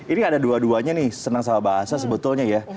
ini ada dua duanya nih senang sama bahasa sebetulnya ya